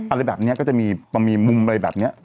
อะไรแบบนี้ก็จะมีมุมอะไรแบบนี้